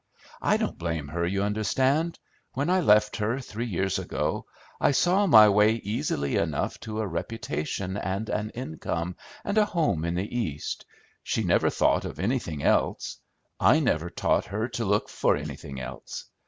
I don't blame her, you understand. When I left her, three years ago, I saw my way easily enough to a reputation, and an income, and a home in the East; she never thought of anything else; I never taught her to look for anything else.